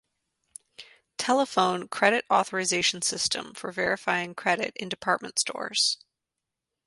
Telephone Credit Authorization system for verifying credit in department stores.